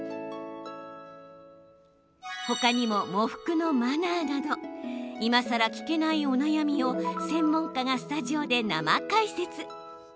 ほかにも喪服のマナーなどいまさら聞けないお悩みを専門家がスタジオで生解説。